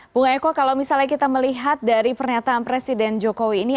bapak erick thohir kalau misalnya kita melihat dari pernyataan presiden jokowi ini